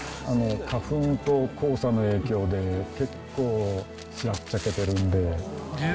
花粉と黄砂の影響で、結構白っ茶けてるんで。